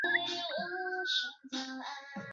几乎所有名单上的人后来都被安全转移。